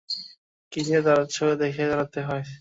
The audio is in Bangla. কিসে দাড়াচ্ছ দেখে দাড়াতে হয়।